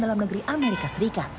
dalam negeri amerika serikat